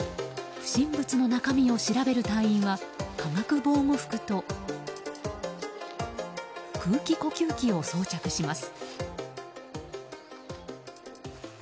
不審物の中身を調べる隊員は化学防護服と空気呼吸器を装着します。